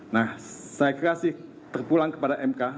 nah saya kerasi terpulang kepada mk